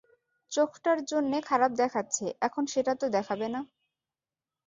চোখটার জন্যে খারাপ দেখাচ্ছে এখন সেটা তো দেখাবে না।